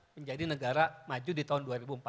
menjadi negara maju di tahun dua ribu empat puluh